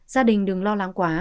gia đình đừng lo lắng quá